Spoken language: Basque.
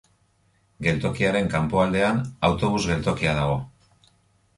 Geltokiaren kanpoaldean autobus geltokia dago.